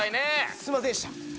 すいませんでした。